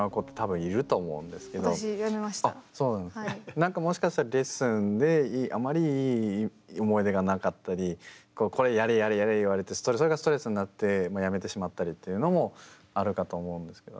なんかもしかしたらレッスンであまりいい思い出がなかったりこれやれやれやれ言われてそれがストレスになってやめてしまったりっていうのもあるかと思うんですけどね。